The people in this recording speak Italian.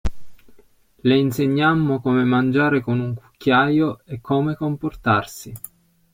Le insegnammo come mangiare con un cucchiaio, e come comportarsi.